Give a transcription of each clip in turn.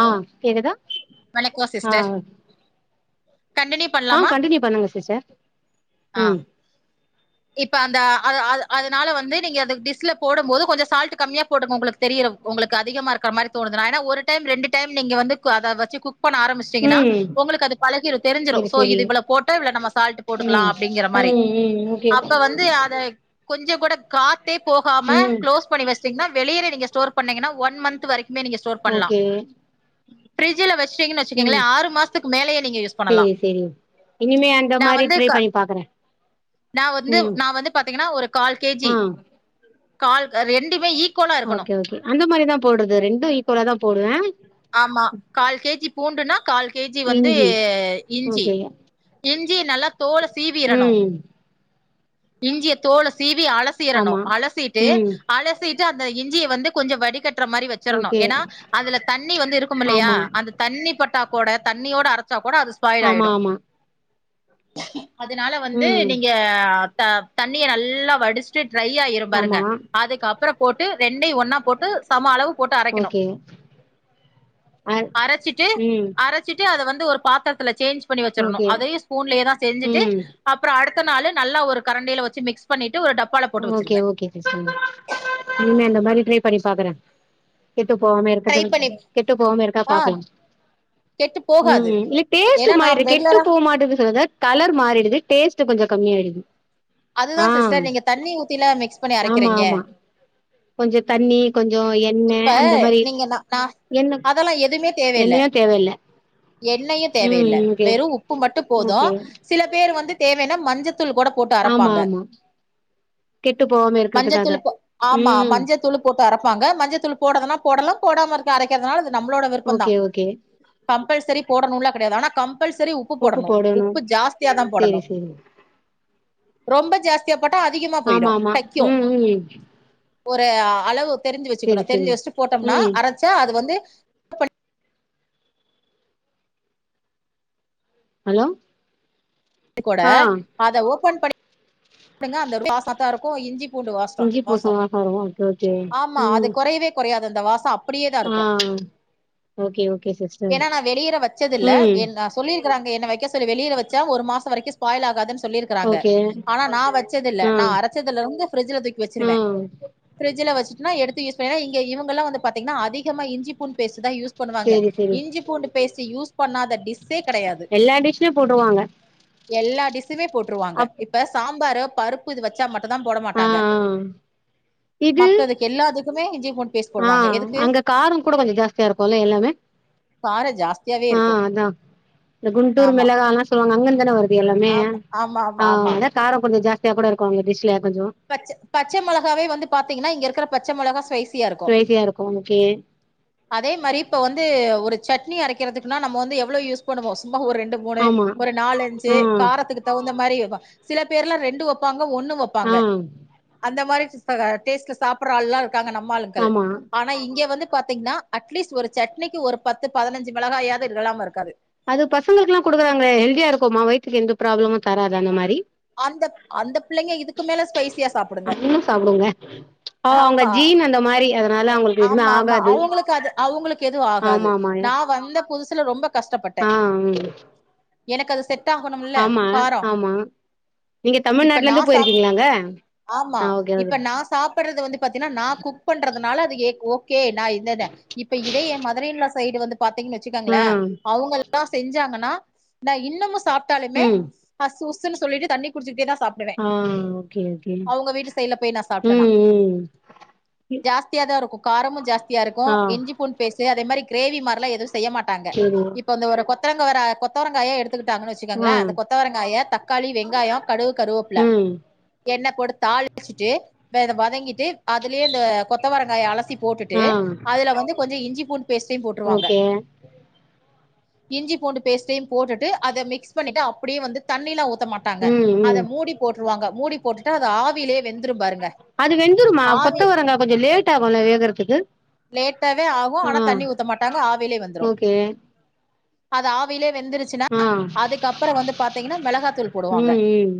ஆ கேக்குதா வணக்கோ ஆ சிஸ்டர் கண்டினியூ ஆ பண்லாமா கண்டினியூ பன்னுங்க சிஸ்டர் ஆ ம் இப்ப அந்த அ அது அதனால வந்து நீங்க அது டிஸ்ல போடு போது கொஞ்சோ சால்ட் கம்மியா போட்டுங்க உங்களுக்கு தெரியு உங்களுக்கு அதிகமா இருக்குற மாரி தோனுதுனா ஒரு டைம் ரெண்டு டைம் நீங்க வந்து அத வச்சு குக் பண்ண ஆரம்பிச் வச்சிங்கன்னா ம் உங்களுக்கு அது பழகீரும் தெரிஞ்சிரும் செரி சோ செரி இது இவ்வள போட்டா இவ்ளோ சால்ட் போட்டுக்கலா ம் அப்டிங்கிற மாரி ம் ம் இங்க அப்ப வந்து அத கொஞ்சோ கூட காத்தே போகாம ம் க்ளோஸ் பண்ணி வச்ச சிங்கன்னா வெளியில நீங்க ஸ்டோர் பண்ணீங்கனா ஒன் மந்த் வரைக்குமே நீங்க ஓகே பிரிட்ஜில வச்சீங்கன்னு வச்சக்கங்களே ம் ஆறு மாசத்துக்கு மேலயே நீங்க யூஸ் பண்ணலா சேரி சேரி இனிமே அந்த நா மாரி வந்து ட்ரை க பண்ணி பாக்குறே நா வந்து ம் நா வந்து பாத்தீங்கன்னா ஒரு கால் கேஜி ஆ கால் ரெண்டுமே ஈக் ஓகே ஓகே அந்த மாரிதா போடுறது ரெண்டும் ஈக்குலா தா போடுவே ஆமா கால் கேஜி பூண்டுன்னா கால் கேஜி வந்து இஞ்சி இஞ்சி ஓகே இஞ்சிய நல்லா தோல சீவிறணு ம் இஞ்சிய தோல சீவி அலசி சீரணு ஆமா அலசிட்டு ம் அலசிட்டு அந்த இஞ்சிய வந்து கொஞ்சோ வடிகட்டுற மாரி வச்சு வச்சுரணு ஓகே ஏன்னா அதுல தண்ணி வந்து இருக்கும் இல்லையா ஆமா அந்த தண்ணி பட்டா கூட தண்ணியோட அரச்சா கூட அது ஸ்பாயில் ஆமா ஆயிடு ஆமா அதுனால வந்து ம் நீங்க த தண்ணிய நல்லா வடிச்சு ச்சு ட்ரையாயிரும் பாருங்க ஆமா அதுக்கு அப்புறோ போட்டு ரெண்டயு ஒன்னா போட்டு சம அளவு போட்டு அரைக்கணு ஓகே அ அரச்சிட்டு ம் அரச்சிட்டு அத வந்து ஒரு பாத்துரத்துல சேஞ்ச் பண்ணி வச்சுரணு ஓகே அதையு ஸ்பூன்லே தா செஞ்சுட்டு ம் அப்புறோ அடுத்த நாளு நல்லா ஒரு கரண்டில வச்சு மிக்ஸ் மிக்ஸ் பண்ணிட்டு ஒரு டப்பாள ஓகே ஓகே இனிமே அந்த மாரி ட்ரை பண்ணி பாக்குறே கெட்டு போகாம ட்ரை இருக்கது பண்ணி கெட்டு போகாம இருக்கா ஆ பாக்கலா கெட்டு ம் போகாது இல்ல டேஸ்ட்டு ஏன்னா ஒரு நா மாரி கெட்டு ரெகுலரா போ மாட்டுது சிலது கலர் மாறிடுது டேஸ்ட் கொஞ்சோ கம்மியா ஆயிடுது அதுதா சிஸ்டர் நீங்க தண்ணி ஊத்திலா மிக்ஸ் பண்ணி ஆமா அரைக்கிறீங்க ஆமா கொஞ்சோ தண்ணி கொஞ்சோ எண் இப்ப நீங்க நா நா அதெல்லா எதுமே தேவ இல்ல எண்ணயு தேவயில்ல எண்ணெயு ம் தேவயில்ல ஓகே வெரு உப்பு மட்டு போது ஓகே சில பேர் வந்து தேவன்னா மஞ்சத் தூளு கூட போட்டு ஆமா அரப்பாங்க ஆமா கெட்டு போகாம மஞ்ச இருக்கறதுக்காக தூளுப் ஆமா ம் மஞ்ச தூளுப் போட்டு அரப்பாங்க மஞ்சத்தூள் போடதுனா போடலா போடாம இருக்க அரைக்கிறதுனால அது நம்ளோட விருப்பந்தா ஓகே ஓகே கம்பல்சரி போடனுலா கெடையாது ஆனா கம்பல்சரி உப்பு போடணு உப்பு ஜாஸ்தியா தா சேரி போடணு சேரி ரொம்ப ஜாஸ் சுட்சியா போட்டா அதிகமா போயிடு ஆமா ஆமா கைக்கு ம் ம் ஒரு அளவு தெரிஞ்சு செரி வச்சுக்கணு செரி தெரிஞ்சு வச்சுட்டு போட்டோம்னா ம் அரச்சா அது வந்து ஹலோ க்கூட ஆ அத ஓபன் பண்ணி எப்டிங்க அந்த பாசாத்தா இருக்கு இஞ்சி பூண்டு வாசோ இஞ்சி வாசோ பூசணி ஆஹாரோ ஓகே ஓகே ஆமா அது ம் குறையவே கொறையாது அந்த வாசோ அப்டியே தா ஆ இருக்கு ஓகே ஓகே சிஸ்டர் ஏன்னா நா வெளியிற வச்சதில்ல ம் சொல்லிருக்காங்க என்ன வைக்க சொல்லி வெளியில வச்சா ஒரு மாசோ வரைக்கு ஸ்பாயில் ஆகாதுனு சொல்லிரு ஓகே நா வச்சதுல்ல ஆ நா அரச்சதுல இருந்து ஃப்ரிஞ்சுல தூக்கி வச்சிருவே ஆ ஃபிரிஞ்ட்சுல வச்சிட்டுனா எடுத்து யூஷ் பண்ண இங்க இவுங்களா வந்து பாத்தீங்கன்னா அதிகமா இஞ்சி பூண்டு பேஸ்டு தா யூஸ் யூஸ் பண்ணுவாங்க செரி செரி இஞ்சி பூண்டு பேஸ்ட்டு யூஸ் பண்ணாத டிஸ்சே கெடையாது எல்லா டிஷ்லயு போட்ருவாங்க எல்லா டிஷ்ஷுமே போட்டுருவாங்க அப் இப்ப சாம்பாரு பருப்பு இது வச்சா மட்டுதா போட ஆ மாட்டாங்க ஆ இது மத்ததுக்கு எல்லாதுக்குமே இஞ்சி பூண்டு பேஸ்ட் ஆ போடுவாங்க எதுக்கு அங்க காரோ கூட கொஞ்சோ ஜாஸ்தியா இருக்குல்ல எல்லாமே கார ஜாஸ் ஆ அதா இந்த குண்டூர் ஆமா மெளகாலா சொல்லுவாங்க அங்க இருந்து தான வருது எல்லாமே ஆமா ஆமா ஆமா ஆமா ஆக காரோ கொஞ்சோ ஜாஸ்தியா கூட இருக்கு அங்க டிஷ்ல கொஞ்சோ பச்ச பச்ச மொளகாவே வந்து பாத்தீங்கன்னா இங்க இருக்கிற பச்ச மொளகா சைஸ் ட்ரேசியா இருக்கு ஓகே அதே மாதிரி இப்ப வந்து ஒரு சட்னி அரைக்கிறதுக்குன்னா நம்ம வந்து எவ்ளோ யூஸ் குக் பண்ணுவோ சும்மா ஒரு ரெண்டு மூணு ஆமா ஒரு நாலு அஞ்சு ஆ காரத்துக்கு தகுந்த மாரி இவா சில பேர்லா ரெண்டு வப்பாங்க ஒன்னு வப்பாங்க ஆ அந்த மாரி சிஸ்டங்க டேஸ்ட்ல சாப்பிடுற ஆள்லா இருக்காங்க நம்ம ஆளுக்கள் ஆமா ஆ ஆனா இங்க வந்து பாத்தீங்கன்னா அட்லீஸ்ட் ஒரு சட்னிக்கு ஒரு பத்து பதினஞ்சு மெளகாயாது இல்லாம இருக்காது அது பசங்களுக்குகெல்லா குடுக்குறாங்களே ஹெல்தியா இருக்குமா வயித்துக்கு எந்த பிராப்ளமும் தராது அந்த மாரி அந்தப் அந்த பிள்ளைங்க இதுக்கு மேல ஸ்பைசியா சாப்பிடுங்க நீங்களு சாப்பிடுங்க ஆமா அவங்களுக்கு எதுமே ஆமா ஆமா ஆகாது அவுங்களுக்கு அது அவுங்களுக்கு கெதும் ஆகாது ஆமா ஆமா நா வந்த புதுசுல ரொம்ப கஷ்டப்பட்டே ஆ ம் எனக்கு அது செட் ஆகணும்ல ஆமா காரோ ஆமா நீங்க இப்ப தமிழ்நாட்டுல நா இருந்து சாப் போயிருக்கீங்களாங்க ஆமா ஆ ஓகே ஓகே இப்ப நா சாப்பிடுறது வந்து பாத்தீனினா நா குக் குக் பண்றதுனால அது ஏக் ஓகே நா இல்லல்ல இப்ப இதே ஏன் மதர் இன் லா சைடு வந்து பாத்தீங்கன் ஆ வச்சுகங்களே அவங்க எல்லா செஞ்சாங்கன்னா நா இன்னமு சாப்பிட்டாலுமே ம் அஸ் உஸ் னு சொல்லிட்டு தண்ணி குடிச்சக்கிட்டே தா சாப் டுவே ஆ ஓகே ஓகே அவங்க வீட்டு சைடுல போய் நா சாப்பிட்டனா ம் ம் ஜாஸ்திய தா இருக்கு காரமு ஜாஸ்தியா இருக்கு ஆ இஞ்சி பூன் பேஸு அதே மாரி கிரேவி மாரிலா ஏதுவு செய்ய மாட்டாங்க சேரி இப்ப வந்து ஒரு கொத்தரங்காவர கொத்தவரங்காயே எடுத் த்துகிட்டாங்கு வச்சக்கங்களே ஆ அந்த கொத்தவரங்காய தக்காளி வெங்காயோ கடுகு கருவேப்புல ம் எண்ண போட்டு தாளிச்சிட்டு வேத வதங்கிட்டு அதுலயே இந்த கொத்தவரங்காய அலசி போட்டுட்டு ஆ அதுல வந்து கொஞ்சோ இஞ்சி பூண்ட் பேஸ்ட்டையு போட்டுருவாங்க ஓகே இஞ்சி பூண்டு பேஸ்ட்லையும் போட்டுட்டு அதை மிக்ஸ் பண்ணிட்டு அப்டியை வந்து தண்ணிலா ஊத்த மாட் டாங்க ம் அத ம் மூடி போட்டுருவாங்க மூடி போட்டுட்டு அது ஆவியிலயே வெந்துரும் பாருங்க அது வெந்துருமா ஆவி கொத்த வரங்கா கொஞ்ச லேட் ஆகுல வேகறதுக்கு லேட்டாவே ஆகு ஆ ஆனா தண்ணி ஊத்த மாட்டாங்க ஆவிலயே வந்துரு ஓகே அது ஆவிலே வெந்துருச்சுன்னா ஆ அதுக்கு அப்புற வந்து பாத்தீங்கன்னா மெளகாத்தூள் ம் போடுவாங்க ம்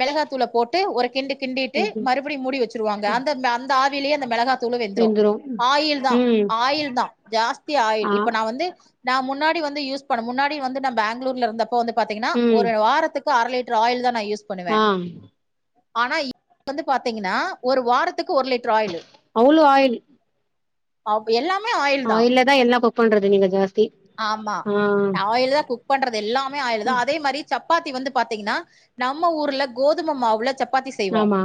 மெளகாத்தூள போட்டு ஒரு கிண்டு கிண்டிட்டு ஓகே மறுபடியு மூடி வச்சிருவாங்க அந்த அந்த ஆவிலேயே அந்த மெளகாத்தூளு வெந்துரு ஆயில் தா ம் ஆயில் தா ஜாஸ்தி ஆயில் ஆ இப்ப நா வந்து நா முன்னாடி வந்து யூஸ் பண்ண முன்னாடி வந்து ந பெங்களூர்ல இருந்தப்ப வந்து பாத்தீங்கன்னா ம் ஒரு வாரத்துக் கு அரை லிட்டர் ஆயில் தா நா யூஸ் பண்ணுவே ஆ ஆனா இப் வந்து பாத்தீங்கன்னா ஒரு வாரத்துக்கு ஒரு லிட்டர் ஆயிலு அவ்ளோ ஆயில் அவ் எல்லாமே ஆயில் தா அத எல்லா குக் பண்றது நீங்க ஜாஸ் ஆமா ஆயில் தா குக் பண்றது எல்லாமே ஆயில் தா அதே மாரி சப்பாத்தி வந்து பாத்தீங்கன்னா நம்ம ஊர்ல கோதும மாவுல சப்பாத்தி செய்வோ ஆமா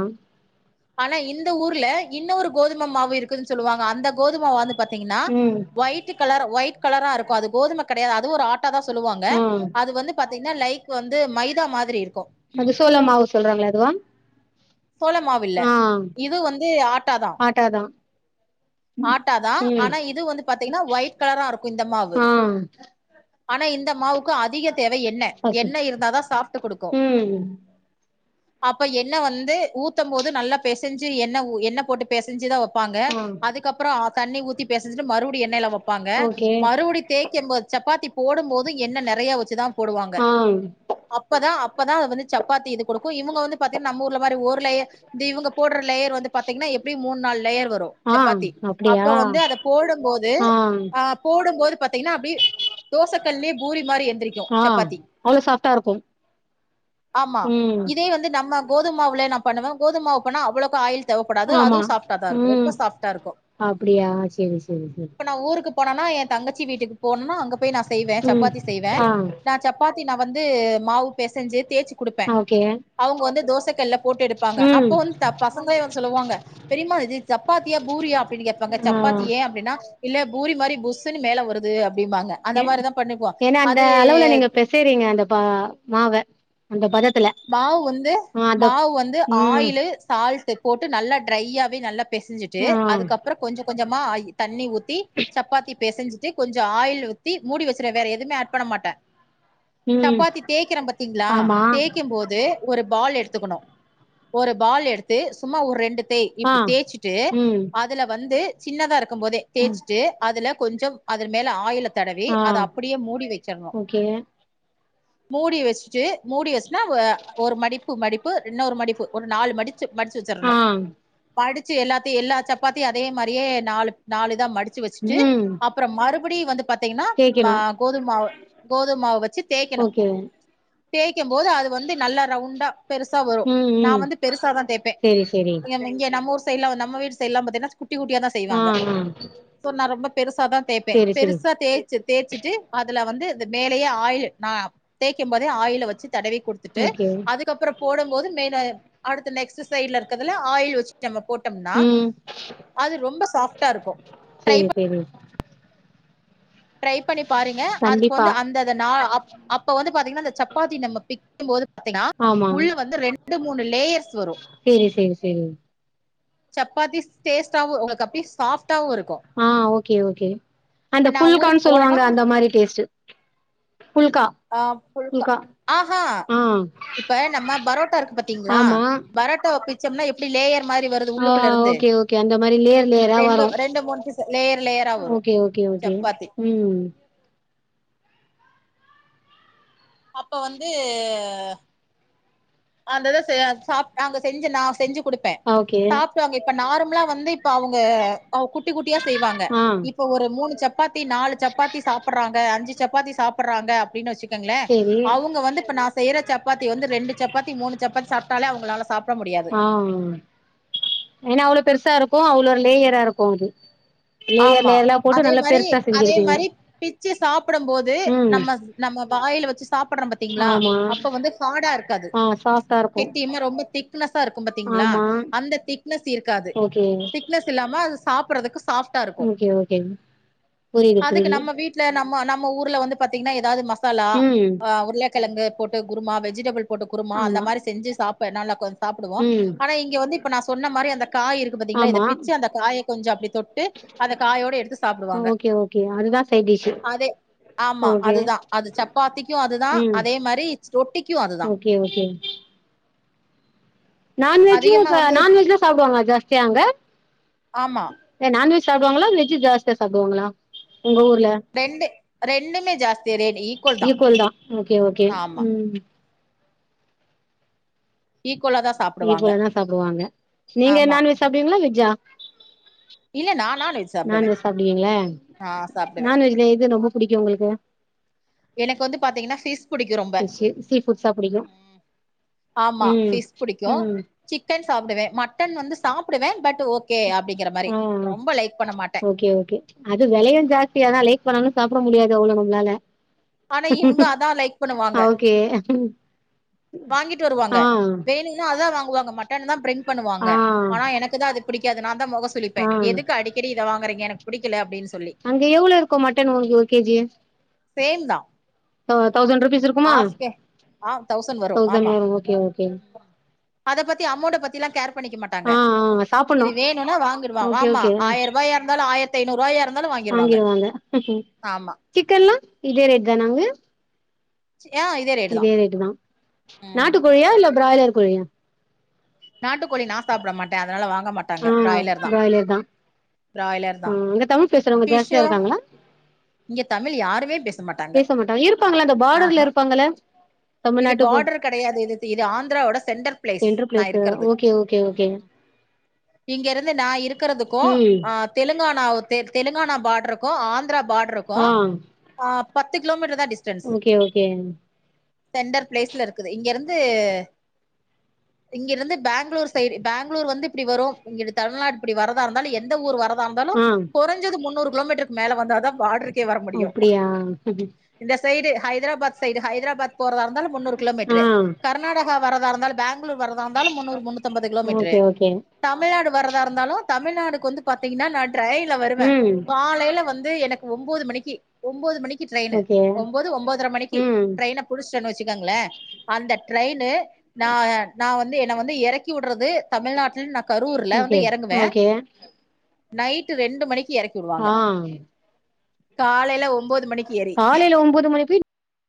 ஆனா இந்த ஊர்ல இன்னொரு கோதும மாவு இருக்குன்னு சொல்லுவாங்க அந்த கோதுமாவ பாத்தீங்கன்னா ம் ஒயிட் கலர் ஒயிட் கலரா இருக்கு அது கோதும கெடையாது அது ஒரு ஆட்ட டாதா சொல்லுவாங்க ஆ அது வந்து பாத்தீங்கன்னா லைக் வந்து மைதா மாதிரி இருக்கு அது சோள மாவு சொல்றாங்களா அதுவா சோள மாவுல்ல ஆ இது வந்து ஆட்டாதா ஆட்டாதா ஆட்டா தா ம் ஆனா இது வந்து பாத்தீங்கன்னா ஒயிட் கலரா இருக்கு இந்த மாவு ஆ ஆனா இந்த மாவுக்கு அதிக தேவை எண்ண பசி எண்ணெ இருந்தாதா சாஃப்டு கொடுக்கு ம் அப்ப எண்ணெ வந்து ஊத்த போது நல்லா பெசைஞ்சு எண்ண உ எண்ணெ போட்டு பெசஞ்சுதா வெப்பாங்க ஆ அதுக்கப்புறம் தண்ணி ஊத்தி பெசஞ்சட்டு மறுபடியு எண்ணெய்ல வெப்பாங்க ஓகே மறு தேய்க்க போது சப்பாத்தி போடும் போதும் எண்ண நெறைய வச்சுதா போடுவாங்க ஆ அப்பதா அப்பதா அதை வந்து சப்பாத்தி இது கொடுக்கு இவங்க வந்து பாத்தீங்கன்னா நம்ம ஊர்ல மாரி ஒரு லேயர் இந்த இவங்க போடுற லேயர் வந்து பாத்தீங்கன்னா எப்டி மூணு நாலு லேயர் வரு ஆ சப்பாத்தி அப்டியா அப்ப வந்து அத போடும்போது ஆ அ போடும்போது பாத்தீங்கன்னா அப்டியே தோசைக்கல்லே பூரி மாரி எழுந்திரிக்கு ஆ சப்பாத்தி அவ்ளோ சாஃப்டா இருக்கு ஆமா ம் இதே வந்து நம்ம கோதுமாவுல நா பண்ணுவே கோதுமவு போனா அவ்வளவுக்கா ஆயில் தேவைப்படாது ஆமா அதுவு சாஃப்ட்டாதா இருக்கு ம் ரொம்ப சாஃப்டா இருக்கு அப்டியா செரி செரி செரி இப்ப நா ஊருக்கு போனனா எ தங்கச்சி வீட்டுக்கு போனனா அங்க போய் நா செய்வே ம் சப்பாத்தி செய்வே ஆ நா சப்பாத்தி நா வந்து மாவு பெசைஞ்சு தேச்சு குடுப்பே ஓகே அவங்க வந்து தோசை கல்ல போட்டு எடுப்பாங்க ம் அப்போ வந் த பசங்க வந்து சொல்லுவாங்க பெரியமா இது சப்பாத்தியா பூரியா அப்டின்னு கேப்பாங்க ஆ சப்பாத்தி ஏ அப்டின்னா இல்ல பூரி மாரி புஸ்ன்னு மேல வருது அப்படிம்பாங்க அந்த ஏ மாதிரிதா பண்ணிப்போ அது சரிங்க அந்த பா மாவ அந்த பதத்துல மாவு வந்து ஆ அத மாவு வந்து ம் ஆயிலு சால்ட் போட்டு நல்லா ட்ரையாவே நல்லா பெசஞ்சுட்டு ஆ அதுக்கப்புறே கொஞ்சொ கொஞ்சொ ஆயி தண்ணி ஊத்தி சப்பாத்தி பெசஞ்சு கொஞ்சொ ஆயில் ஊத்தி மூடி வச்சுற வேற எதுவுமே ஆட் பண்ண மாட்டே ம் சப்பாத்தி தேயக்கிறோ பாத்தீங்களா ஆமா தேய்க் போது ஒரு பால் எடுத்துக்கணோ ஒரு பால் எடுத்து சும்மா ஒரு ரெண்டு தே ஆ இப்படி தேய்ச்சுட்டு ம் அதுல வந்து சின்னதா இருக்கூ போதே ம் தேய்ச்சுட்டு அதுல கொஞ்சம் அதுர் மேல ஆயில தடவி ஆ அத அப்படியே மூடி வெச்சிடணோ ஓகே மூடி வெச்சுட்டு மூடி வெச் னாவூ ஒரு மடிப்பு மடிப்பு இன்னோரு மடிப்பு ஒரு நாலு மடிச்சு மடிச்சு ஆ வச்சிடணோ மடிச்சு எல்லாத்தையூ எல்லா சப்பாத்தியூ அதே மாதிரியே நாலு நாலு இதா மடிச்சு வெச்சுட்டு ம் அப்புறே மறுபடியூ வந்து பாத்தீங்கன்னா மா தேய்க்கணு கோதும் மாவு கோதும் மாவு வெச்சு தேய்க்கணோ ஓகே தேய்க்கே போது அது வந்து நல்ல ரவுண்டா பெருசா வரூ ம் நான் ம் வந்து பெருசா தா தேய்ப்பே செரி செரி இங் இங்க நம்ம ஊர் சைட்லா நம்ம வீடு சைடல்லா பாத்தீங்ன்னா குட்டி குட்டியா தா ஆ செய்வாங்க ஆ சோ நா ரொம்ப பெருசா தா தேய்ப்பே செரி செரி பெருசா தேய்ச்சு தேய்ச்சிட்டு அதுல வந்து இந்த மேலயே ஆயில் நா தேய்கும் போதே ஆயில் வச்சு தடவி ட்டு ஓகே அதுக்கப்புறோ போடும் போது மெயின் அடுத்த நெக்ஸ்ட் சைட்ல இருக்கிறதுல ஆயில் வச்சு ட்டு நம்ம போட்டோம்னா ம் அது ரொம்ப சாஃப்டா இருக்கோ ட்ரை பண் இரூ ட்ரை பண்ணி பாருங்க அதுக்கு கண்டிப்பா வந்து அந்தத நா அப்ப அப்ப வந்து பாத்தீங்கன்னா அந்த சப்பாத்தி நம்ப பிக் டைக்கு போது பாத்தீங்கன்னா ஆமா உள்ள வந்து ரெண்டு மூணு லேயர்ஸ் வரூ சோர் சேர் செரி சப்பாத்தி டேஸ்ட்டாவூ உங்களுக்கு அப்டியே சாஃப்டாவூ இருக்கூ ஆ ஓகே ஓகே அந்த ஊருக்கு ஃபுல்கான்னு சொல்லுவாங்க போனேன்னா அந்த மாரி டேஸ்ட்டு ஃபுல்கா ஆ ஃபுல்கா ஹ ஹாங் இப்ப நம்ம பரோட்டா இருக் பாத்தீங்களா ஆமா பரோட்டா பிச் ம்னா எப்படி லேயர் மாதிரி வருது ஆ உள்ளுக்குள்ள இருந்து ஓகே ஓகே அந்த மாரி லேயர் லேயரா ரெண்டு வரு ரெண்டு மூண் பீஸ் லேயர் லேயரா ஆ வரூ ஓகே ஓகே ஓகே சப்பாத்தி ம் அப்ப வந்து அந்தத சே சாப் நாங்க செஞ்ச நா செஞ்சு குடுப்பே ஓகே சாப் இப்ப நார்மலா வந்து இப்ப அவங்க குட்டி குட்டியா செய்வாங்க ஆ இப்ப ஒரு மூணு சப் சப்பாத்தி நாலு சப்பாத்தி சாப்பிறாங்க அஞ்சு சப்பாத்தி சாப்பிறாங்க அப்படின்னு வச்சு‌ ங்களே சேரி அவங்க வந்து இப்ப நா செய்யற சப்பாத்தி வந்து ரெண்டு சப்பாத்தி மூண் சப்பாத்தி சாப்ட்டாலே அவங்ளால சாப்ட முடியாது ஆ ஏன்னா அவ்ளோ பெருசா இருக்கோ அவ்ளோ லேயரா இருக்கோ அது லேயர் ஆமா லேயர்ல போட்டு நல்லா பெருசா செஞ்சிருவீங்க பிச்சி சாப்பிடூ போது நம்ம நம்ம வாயில வெச்சு சாப்பிட்ரோ பாத்தீங்களா ஆமா அப்ப வந்து ஹாடா இருக்காது ஆ சாஃப்டா இருக்கு கெட்டி இன்னூ ரொம்ப திக் திக்னஸ்ஸா இருக்கூ பாத்தீங்களா ஆமா அந்த திக்னஸ் இருக்காது ஓகே திக்னஸ் இல்லாம அது சாப்றதுக்கு சாஃப்டா இருக்கூ ஓகே ஓகேங்க புரியுது அதுக்கு புரியுது நம்ம வீட் வீட்ல நம்ம நம்ம ஊர்ல வந்து பாத்தீங்கன்னா ஏதாவது மசாலா ம் ஆ உருளக்கிழங்கு போட்டு குருமா வெஜிடபிள் போட்டு குருமா அந்த ஆமா மாரி செஞ்சு சாப்பன் நல்லா கொஞ்சொ சாப்பிடுவோம் ம் ஆனா இங்க வந்து இப்ப நா சொன்ன மாரி அந்த காய் இருக்கு பாத்தீங்களா இத ஆமா பிச்சு அந்த காய கொஞ்சோ அப்டி தொட்டு அத காயோட எடுத்து சாப்டுவாங்க இதா சைடிஷ்ஷு ஆமா அதுதா அது சப்பாத்திக்கு அதுதா ம் அதே மாரி ரொட்டிக்கு அதுதா ஓகே ஓகே நான்வெஜ்ஜு அதிகமா த வந்து நான்வெஜ்லா சாப்டுவாங்க ஜாஸ்தியா அங்க ஆமா ஏ நான்வெஜ் சாப்டுவாங்களா வெஜ் ஜாஸ்தியா சாப்டுவாங்களா உங்க ஊருல ரெண்டு ரெண்டுமே ஜாஸ்தியரேடி இக்கோல் தா ஓகே ஓகே ம் இக்கோலாதா ஈக்கோலதா சாப்புடுவாங்க நீங்க ஆமா நான்வெஜ் சாப்டுவிங்ளா வெஜ்ஜா இல்ல நான் நான்வெஜ் சாப்டுவே நான்வெஜ் சாப்டுவிங்ளா ஆ சாப்டுவே நான்வெஜ்ல எது ரொம்ப புடிக்கு உங்களுக்கு எனக்கு வந்து பாத்தீங்கன்னா ஃபிஸ் புடிக்கு ரொம்ப ஃபிஷ்ஷு சீ ஃபுட்ஸா புடிக்கு ஆமா ம் ஃபிஸ் புடிக்கு ம் சிக்கன் சாப்டுவே மட்டன் வந்து சாப்டுவே பட் ஓகே அப்டிங்கற மாரி ஆ ரொம்ப லைக் பண்ண மாட்ட ஓகே ஓகே அது வெலையு ஜாஸ்தியாதா ஆனா லைக் பண்ணாலு சாப்ட முடியாது அவ்ளோ நம்மளால ஆனா இவங்க அதா லைக் பண்ணுவாங்க ஓகே வாங்கிட்டு வருவாங்க ஆ வேணு னாதா வாங்குவாங்க மட்டன் தா பிரிங் பண்ணுவாங்க ஆ ஆனா எனக்குதா அது பிடிக்காது நா தா மொக சுலிப்பே ஆ எதுக்கு அடிக் கடி இத வாங்குறிங்க எனக்கு பிடிக்கல அப்டின்னு சொல்லி அங்க எவ்ளோ இருக்கு மட்டன் ஒன் ஒரு கேஜி சேம் தா அ தௌசண்ட் ரூபீஸ் இருக்குமா ஹாஃப் கே தௌசண்ட் வரு ஓகே ஓகே அத பத்தி அமௌண்ட்ட பத்தில்லா கேர் பண்ணிக்க மாட்டாங்க ஆ ஆ சாப்புட்ணு இதுவேணுனா வாங்கிடுவ ஓகே வாமா ஓகே ஆயிரரூபாயா இருந்தாலு ஆயிரத்து ஐநூ ரூவாயா இருந்தாலு வாங்கி வாங்கிருவாங்க ஆமா சிக்கன்லா இதே ரேட் தானாங்க யா இதே ரேட்டு தா நாட்டுக்கோழியா இல்ல பிராய்லர் கோழியா நாட்டுக்கோழி நா சாப்ட மாட்ட அதனால வாங்க மாட் ஆ பிராயலர் தா பிராய்லர் தா அ அங்க தமிழ் பேசுறவங்க ஃபிஷ்ஷு ஜாஸ்தியா இருக்காங்களா இங்க தமிழ் யாருமே பேசு பேச மாட்டாங்க இருப்பாங்ளே அந்த பாடர்ல இருப்பாங்களே இது பார்டர் கடையாது இது இது ஆந்திராவோட சென்டர் பிளேஸ் சென்ட்ரு நா இருக்கறது ஓகே ஓகே ஓகே ம் இங்க இருந்து நா இருக்கறதுக்கு ம் அ தெலுங்கானா தெ தெலுங்கானா பாட்ர்ருக்கு ஆந்தரா பாட்ர்ருக்கு ஆ ஆ பத்து கிலோமீட்டர் தா டிஸ் ஓகே ஓகே சென்டர் பிளேஸ்ல இருக்குது இங்க இருந்து இங்கிருந்து பேங்ளூர் சைடு பேங்ளூர் வந்து இப்டி வரு இங்கடு தமிழ்நாடு இப்டி வரதா இருந்தாலு எந்த ஊர் வர தா இருந்தாலு ஆ குறஞ்சது முன்னூறு கிலோமீட்டருக்கு மேல வந்த தா பாட்ர்ருக்கே வர முடியு அப்டியா இந்த சைடு ஹைதராபாத் சைடு ஹைதராபாத் போறதா இருந்தாலு முன்னூறு ஆ கிலோமீட்ரு கர்நாட வரதா இருந்தாலும் பெங்களூர் வரதா முன்னூறு முன்னூறு ஐம்பது கிலோமீட்டரு ஓகே ஓகே தமிழ்நாடு வரதா இருந்தாலும் தமிழ்நாடுக்கு வந்து பாத்தீங்கன்னா நட் ட்ரெயின்ல வருவேன் ம் காலையில வந்து எனக்கு ஒம்போது மணிக்கி ஒம்போது மணிக்கு ட்ரெயின் ஓகே ஒம்பதரை மணிக்கு ம் ட்ரெயின் புடிச்சிட்டேன் வச்சுக்கங்களேன் அந்த ட்டெயின்னு நா வந்து என் வந்து இறக்கி விடுறது தமிழ்நாட்டல நா கரூர்ல வந்து ஓகே இறங்குவேன் ஓகே நைட்டு ரெண்டு மணிக் ஆ காலையில ஒன்போது மணிக்கு ஏறி காலைல ஒம்போது மணி போய்